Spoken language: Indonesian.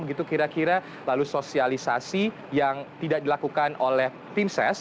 begitu kira kira lalu sosialisasi yang tidak dilakukan oleh tim ses